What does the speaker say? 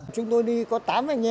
chúng tôi đi có tám anh